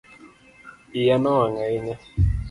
Iya no wang' ahinya